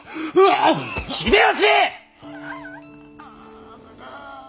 秀吉！